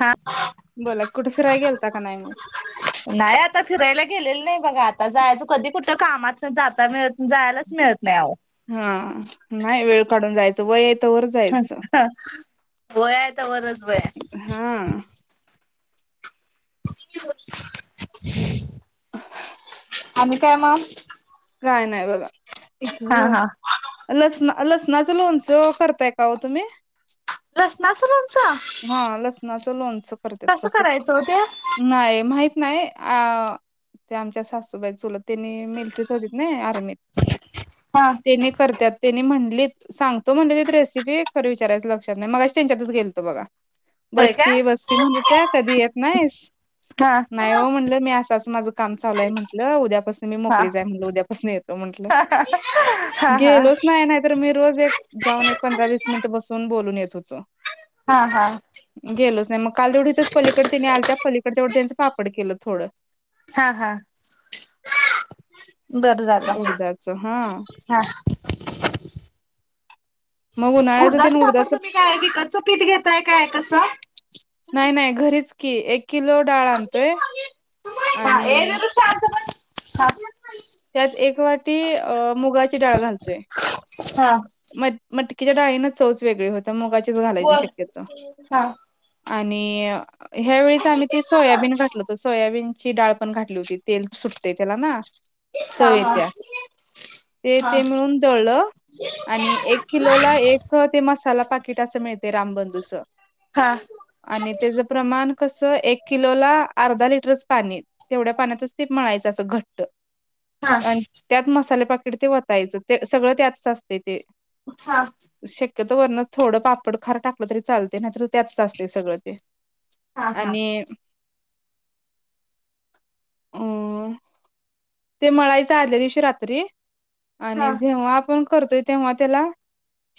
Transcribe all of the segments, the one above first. हा बोला कुठे फिराय गेलता का नाही मग नाही आता फिरायला गेलेलं नाही बघा आता जायचं कधी कुठं कामात जात जायला हा नाही वेळ काढून जायचं व ह ह वय आहे तवरच हा आणि काय मग काय नाही बघा हा हा लच ना लसणाचं लोणचं करताय का हो तुम्ही ना हा लसण ो कसं कस करायचं हो ते नाही माहित नाही अ ते आमच्या सासूबाई चलत त्यांनी मिलिट्रीच होतीत नाही आर्मीत हा तेने करतात त्यांनी म्हणली सांगतो म्हणजे रेसिपी खरं विचारयं लक्षात नाही मगा त्यांच्यातच गेलतो बघा होय का बसकी बसकी म्हणत त्या कधी येत नाहीस हा नाही हो म्हणलं मी असाच माझं काम चालय म्हंटलं उद्यापासून मी हा मोकळी जाय म्हणल उद्यापासून येतो म्हंटलं हा हा गेलोच नाही नाहीतर मी रोज एक जाऊन एक पंधरा वीस मिनिट बसून बोलून येतो होत हा हा गेलोच नाही मग काल तेवढी तथंच पलीकडे तिने आलं त्या पलीकड तेवढं त्यांचं पापड केलं थोडं हा हा बरं झालं उडदाचं हा हा मग [unintelligible] उन्हाळ्याचं ते उडदाच पापड उडदाचं तुम्ही काय विकचचं पीठ घेताय काय कस नाही नाही घरीच की एक किलो डाळ आणतोय हा ए आणि विरू शांत हा त्यात एक वाटी अ मुगाची डाळ घालतोय हा म मट तिच्याडाईनच चौज वेगळी होते आता मुगाचीच घालायची बोल शक्यत आणि हा आणि ह्यावेळीस आम्ही ते सोयाबीन घातलत सोयाबीन ची डाळ पण घातलीती तेल सुटते त्याला ना हा हा चवेच्या ते हा ते मिळून दळलं आणि एक किलोला एक ते मसाला पाकिट असं मिळते रामबंधूच हा आणि त्याच प्रमाण कस एक किलोला अर्धा लिटरच पाणी तेवढ्या पाण्याच टीप म्हणायचं असं घट्ट हा आणि त्यात मसाले पाक वयचं ते सगळं त्यात ते ते हा वर्णन थोडं पापड खार टाकलं तरी चालते नाही तर त्याच असते सगळं ते हा हा आणि ओम ते म्हणायचं आदल्या दिवशी रात्री आणि हा जेव्हा आपण करतोय तेव्हा त्याला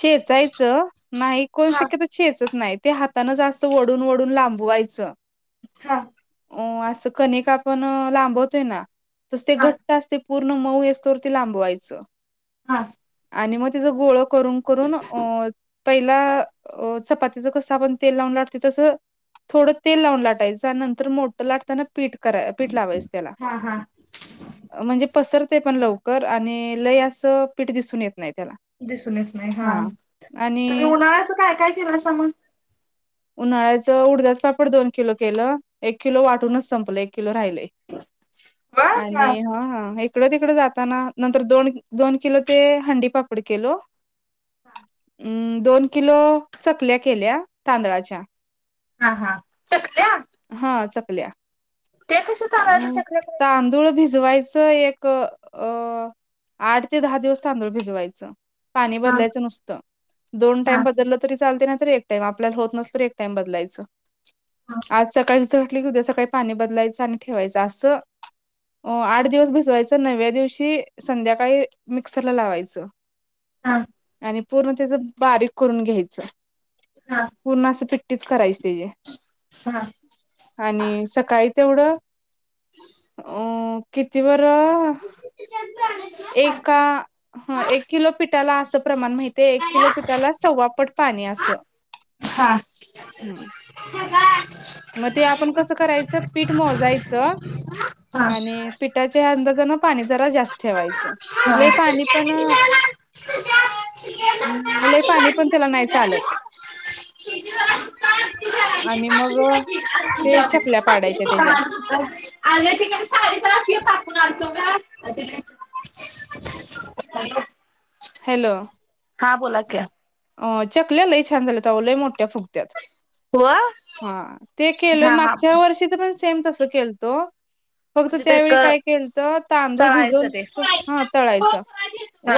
छेचायचं नाही कोण हा शक्यत चेचक नाही ते हाताानं जास्त वडून वडून लांबवायचं हा हो असं कने का पण लांबत आहे ना तस ते हा घट्ट असते पूर्ण मऊ असतोवर ते लांबवायचं हा आणि मग तिचं गोळ करून करून अ पहिला चपातीचं कसं आपण तेल लावून लाटतो तसं थोडं तेल लावून लाटायचं नंतर मोठं लाटताना पीठ करा पीठ लावायच त्याला हा हा म्हणजे पसर ते पण लवकर आणि लय असं पीठ दिसून येत नाही त्याला दिसूनच नाही हा तुम्ही आणि उन्हाच काय काय केला अस मग उन्हाळ्याच उडजाच पापड दोन किलो केलं एक किलो वाटूनच संपलं एक किलो राहिले वा हा आणि ह हा एक तकड तिकड जाताना नंतर दोन दोन किलो ते हंडी पाकड केलो हा दोन किलो चकल्या केल्या तांदळाच्या हा हा चकल्या बल्या ते कशा चालायला अ चकल्या करायला तांदूळ भिजवायचे एक अ आठ ते दहा दिवस तांदूळ भिजवायचं पाणी हा बदलायचं नुसतं दोन हा टाइम बदल तरी चालते ना एकम आपल्याला होत नसत एक टाइम बदलायच हा आज सकाळी घटली की उद्या सकाळी पाणी बदलायचं आणि ठेवायच असं आठ दिवस भसवायच नव्या दिवशी संध्याकाळी मिक्सरला लावायचं हा आणि पूर्ण त्याच बारीक करून घ्यायचं पूर्ण अस तेच करायच तेजे हा आणि सकाळी तेवढ किती [unintelligible] ए ह एक किलो पिठा असण माहि ते एक किलोपिठाला सवा पड पाणी असं हम्म हा मग ते आपण कसं करायचं पीठ मोजायचं हा आणि पिठाच्या अ जरा जास्त ठेवायचं लय पाणी पण अ लय पाणी पण त्याला नाही हो चालत आणि मग ते छपल्या आ साडी कोण अडचव का हॅलो हां बोला क्या अ चकल्या लई छान झाले तरव लई मोठ्या फुगत्यात हा ते केलंय हा मागच्या वर्षी तर पण सेम तस केलं तो फक्त म्हणजे ते क त्यावेळी काय केल तर तांदूळ तळायचं ते भिजवलं हा तळायचं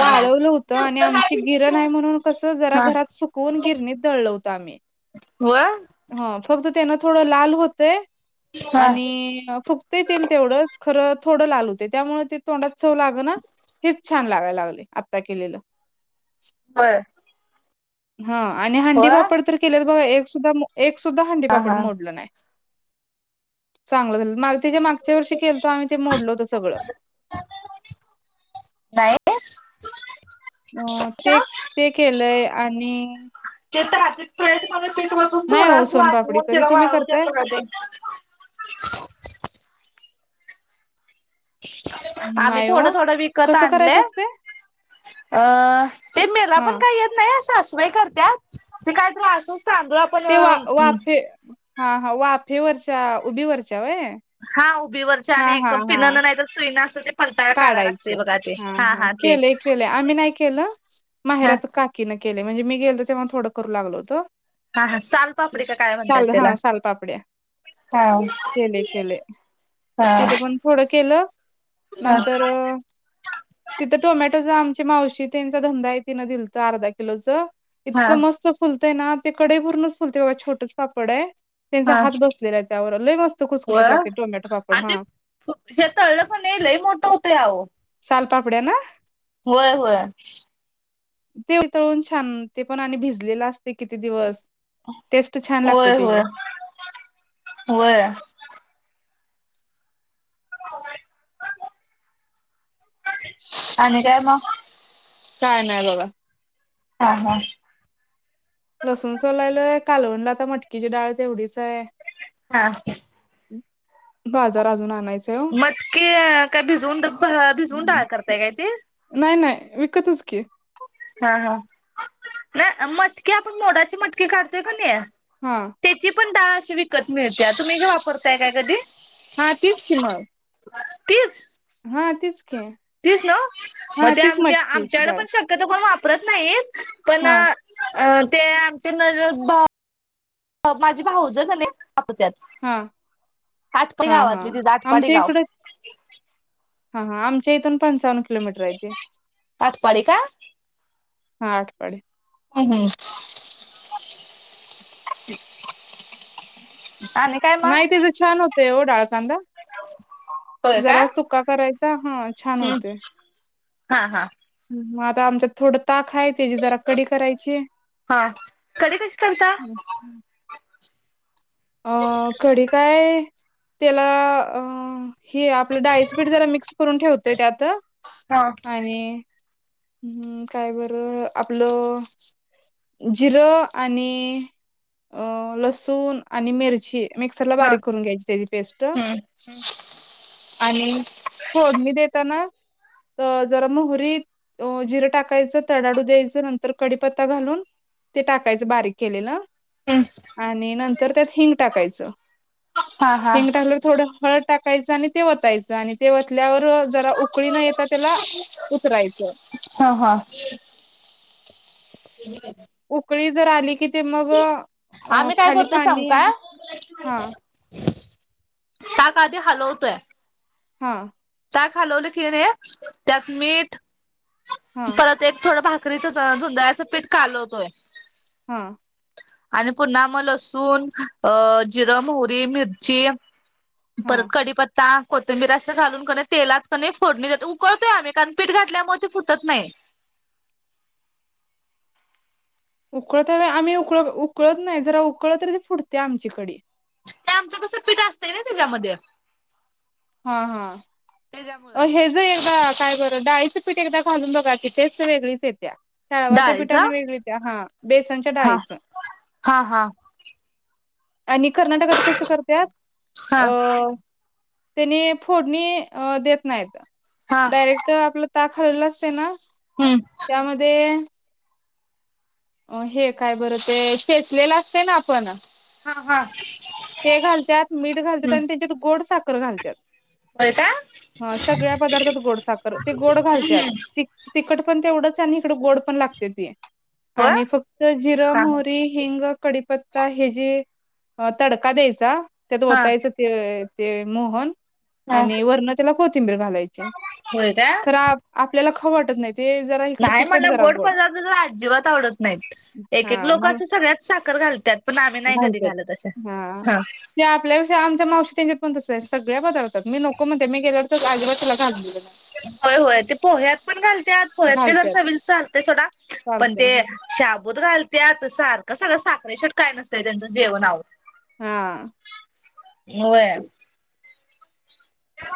हा होतं आणि आमची गिरण नाही म्हणून कस जरा हा घरात सुकवून गिरणी तळलं होतं आम्ही व जे त्यांना थोडं लाल होत हा आणि फुगती त तेवढंच खरं थोडं लाल होते त्यामुळे ते तोंडात चव ना तेच छान लागायल ला आता केलेलं होय ह आणि हो हंडी पापड तर केले बघा एक सुद्धा एक सुद्धा हा हंडीपापड हा मोडलं नाही चांगलं झाल त्याच्या मागच्या वर्षी केलं तर आम्ही ते मोडलो होत सगळं ह अ ते ते केलंय आणि ते तर राज प्रयत् पट म तू नाही थोडा हो स्वाद सोनपापडी व कधी तेरा वा तुम्ही करताय? ते आम्ही नाही ओ थोडं थोडं विकत कसं आणले करायचं असतय? अ ते मेला पण हा काही येत नाही सासुबाई करतत ते काय त्रास ते वा वाफे हा हा व आफेवरच्या उभीवरच्या वय हा उब वरच्या आणि पिन नाही ते पलताळ काढाय लागतय काढायचं बघा ते. हा हा ते केले केले आम्ही नाही केला हा माहेरात काकी न केले म्हणजे मी गेलतो तेव्हा थोडं करू लागलोतो हा हा सालपापडी का काय म्हणतात तेला हा सालपापड्या हा केले केले हा तिथं पण थोडं केलं हा नंतर तिथं टोमॅटोच आमची मावशी ते तेचा धंदा आहे तिन दिलत अर्धा किलो चं हा इतकं मस्त फुलत ना ते कडइ पूर्णच फुलते बघा छोटच पापड आहे तेचा हात बसलेला त्यावर लई मस्त खुसखुशीत व्हय लागते टोमॅटो पापड आणि हा ते तळलं पण लई मोठ होतय आओ सालपापड्या ना व्हय व्हय ते वीतळून छान ते पण आणि भिजलेलं आस लागते होय त्याची होय व्हय आणि काय म काय नाही बघा हा, हा लसूण सोलायलोय कालवणला आता मटकीची डाळ तेवढीच आहे. हा बाजार आजून आणाय मटकी काय भिजवून भिजून डाळ करताय काय ती? नाही नाही विकतच की हा हा नाही मटकी आपण मोडाची मटकी काढतोय कणी हा. तेची पण डाळ विक - - त मिळतिया. तुम्ही ही वापरताय काय कधी? हा तीच कि मग. तीच हा तीच की तीच नव्ह मग हा ते तीच आमच्या मटकीची आमच्याकड डाळ पण शक्यतो कोण वापर परत नाहीत पण हा अ ते आमच्या न भा माझी भावज कणी वापरत्यात. हा आटपी हा हा. गावातली तिज आटपाडी आमच्या गाव इकडे हा हा. आमच्या इथून पंचावन्न किलोमीटर हाय ते. पाटी काय? हा आटपाडी. [unintelligible] आणि काय म. ते ओ डाळ - - कांदा होय का जरा सुका करायचा हा छान हम्म होतयं. हा हा. म आता आमच्या थोडं- - ताक हाय तेजी जरा कडी करायची. हा कडी कशी करता अ कडी काय त्याला अं - - हे आपलं डाळीच पीठ जरा मिक्स करून ठेवतोय त्यात हा आणि - - हम् काय बरं आपलं जिरं आणि अ लसूण - - आणि मिरची - - मिक्सर ला हा बारीक करून घ्यायची त्याची पेस्ट. हम्म आणि फोडणी देताना जरा मोहरीत जिरं टाकायचं तडाडू द्यायचं नंतर कडीपत्ता घालून ते टाकायचं बारीक केलेलं - हम्म - आणि नंत - - तर त्यात हिंग टाकायचं हा हा हिंग टाकलं थोडं हळद - - टाकायचं आणि ते वतायचं आणि - - ते वतल्यावर जरा उकळी न येता त्याला उतरायचं. ह ह ते - - उकळी जर आली की ते मग अ आम्ही काय खाली करतो सांगु पाणी का? आणि हा का का ते हलवतोय. हा ताक हालवलं की रे त्यात मीठ हा परत एक थोडं भा बकरीच जुदयाचं पीठ कालवतोय. हा आणि पुन्हा मग लसूण, अ जिरं, मोहोरी मिरची हा परत कडी पत्ता कोथिंबीर असं घालुन तेलात की नाही फोडणी देतो. उकळतोय आम्ही कारण पीठ घातल्यामुळे ते फुटत नाही. उकळत आम्ही उकळत उकळत नाही. जरा उकळल तरी फुटते आमची कढी. ते आमचं कस पीठ असतय ना त्याच्यामध्ये. हा हा त्याच्यामुळं हे जे आहे ना काय बर डाळीच पीठ एकदा घालून बघा की टेस्ट वेगळीच येत्या. डाळवाच्या डाळीचा पिठाने वेगळी येते. हा बेसनच्या हा डाळीच. हा हा आणि कर्नाटकात कसं करत्यात अ हा त्यांनी फोडणी अ देत नाहीत. हा डायरेक्ट आपलं [unintelligible] हम्म त्यामध्ये अ हे काय बरं ते खेचलेलं असते ना आपण. हा हा ते घालतात मीठ घालतात हम्म आणि त्याच्यात गोड साखर घालत्यात. होय का सगळ्या पदार्थात गोड साखर ते गोड घालत्यात. तिक तिक तिखट पण तेवढच आणि इकडं गोड पण लागते ते. होय आणि फक्त जिरं, हा मोहरी, हिंग कढीपत्ता हे जे अ तडका द्यायचा त्यात हा ओतायचं ते ते मोहन हा आणि वरन त्याला कोथिंबीर घालायची खरं आपल्याला खाऊ वाटत नाहीत. नाय मला गोड पदार्थत तर अजिबात आवडत नाहीत एक एक लोक असं सगळ्यात साखर घालत्यात. घाल तर हा आ त्या आपल्या पेक्षा आमच्या मावशी च्या इथ पण तस ते सगळ्या पदार्थात मि नको म्हणते मि गेल्यावर तर अजवर होय होय ते पोह्यात पण घाल त्यात पोह्यात ते जर घालत्यात चवीला चालतंय थोडा पण चालतंय ते हा साबूत घाल त्यात सारखं सगळं साखरे शट काय नसतं त्यांचं जेवण आवो. हा. हे वय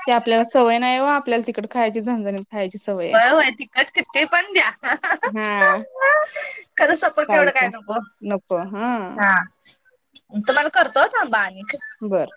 ते आपल्याला सवय नाही व आपल्याला तिकड खायची झंन-झनित. होय होय तिखट किती पण द्या, हा हा हा खरंच सपक एवढं काय चालतंय नको, हा. तुम्हाला करतो थांबा आणि बरं.